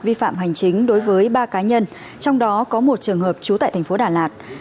vi phạm hành chính đối với ba cá nhân trong đó có một trường hợp trú tại thành phố đà lạt